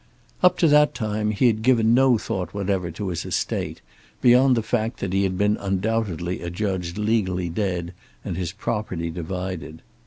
Up to that time he had given no thought whatever to his estate, beyond the fact that he had been undoubtedly adjudged legally dead and his property divided.